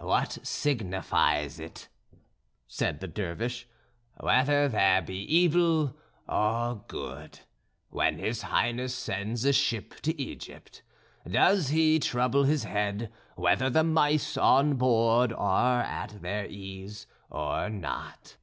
"What signifies it," said the Dervish, "whether there be evil or good? When his highness sends a ship to Egypt, does he trouble his head whether the mice on board are at their ease or not?"